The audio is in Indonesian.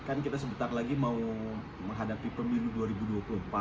kan kita sebentar lagi mau menghadapi pemilu dua ribu dua puluh empat